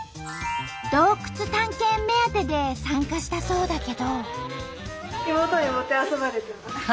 洞窟探検目当てで参加したそうだけど。